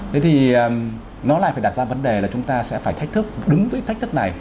thế thì nó lại phải đặt ra vấn đề là chúng ta sẽ phải thách thức đứng với thách thức này